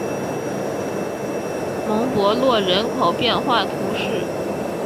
蒙博洛人口变化图示